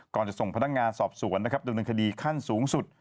ก่อนจะส่งพนักงานสอบสวนนะครับดำเนินคดีขั้นสูงสุด